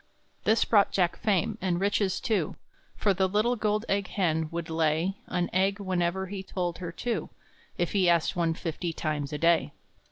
This brought Jack fame, and riches, too; For the little gold egg hen would lay An egg whenever he told her to, If he asked one fifty times a day.